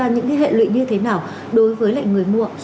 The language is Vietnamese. gây ra những cái hệ lụy như thế nào đối với lại người mua